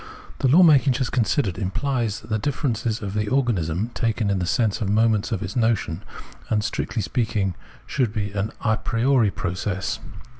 The law making just considered implies the differ ences of the organism, taken in the sense of moments of its notion, and, strictly speaking, should be an a priori Observation of Organic Nature 263 process.